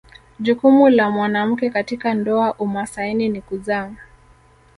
Jukumu la mwanamke katika ndoa umasaini ni kuzaa